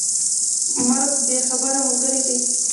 مرګ بې خبره ملګری دی.